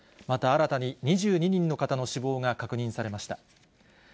また新たに２２人の方の死亡が確認されました。